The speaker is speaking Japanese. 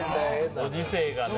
ご時世がね。